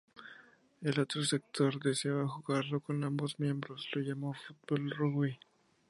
El otro sector que deseaba jugarlo con ambos miembros lo llamó football rugby.